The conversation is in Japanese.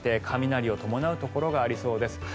雷を伴うところがありそうです。